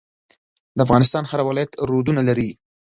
د افغانستان هر ولایت رودونه لري.